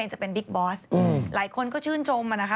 หลายคนก็ชื่นจมมานะคะ